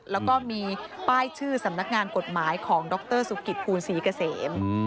แล้วก็มีป้ายชื่อสำนักงานกฎหมายของดรสุกิตภูลศรีเกษม